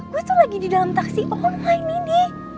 gue tuh lagi di dalam taksi online ini di